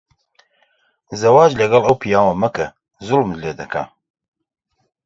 زەواج لەگەڵ ئەو پیاوە مەکە. زوڵمت لێ دەکات.